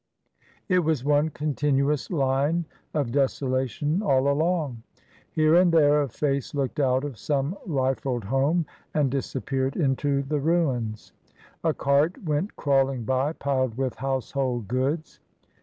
It was one continuous line of desolation all along. Here and there a face looked out of some rifled home, and disappeared into the ruins. A cart went crawling by, piled with household goods.